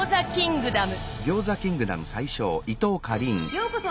ようこそ！